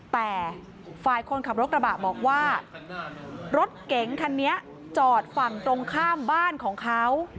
แต่ฝ่ายคนขับรถกระบะบอกว่ารถเก๋งคันนี้จอดฝั่งตรงข้ามบ้านของเขา